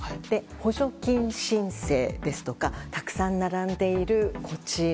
「補助金申請」ですとかたくさん並んでいる「こちら」。